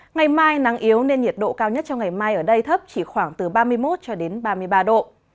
ngày mai nắng yếu nên nhiệt độ cao nhất trong ngày mai ở đây thấp chỉ khoảng từ ba mươi một cho đến ba mươi ba độ